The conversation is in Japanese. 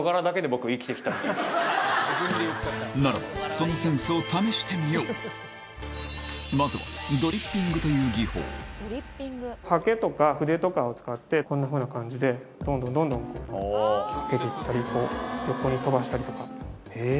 ならばまずはドリッピングという技法こんなふうな感じでどんどんどんどんかけていったりこう横に飛ばしたりとか。